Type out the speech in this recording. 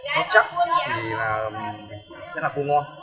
nó chắc thì sẽ là cua ngon